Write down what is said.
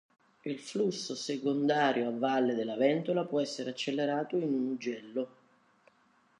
Il flusso secondario a valle della ventola può essere accelerato in un ugello.